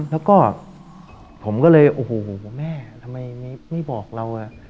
แล้วก็ผมก็เลยโอ้โหแม่ทำไมไม่บอกเรา